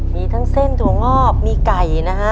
มีทั้งเส้นถั่วงอกมีไก่นะฮะ